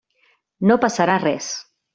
No passarà res.